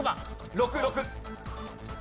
６６。